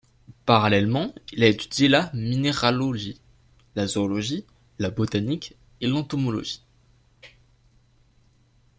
Parallèlement, il a étudié la minéralogie, la zoologie, la botanique et l'entomologie.